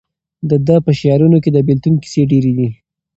د ده په شعرونو کې د بېلتون کیسې ډېرې دي.